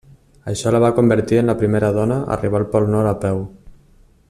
Això la va convertir en la primera dona a arribar al pol Nord a peu.